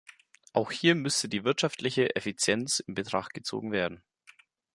Auch hier müsste die wirtschaftliche Effizienz in Betracht gezogen werden.